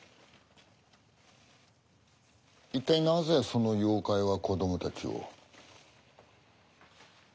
一体なぜその妖怪は子どもたちを？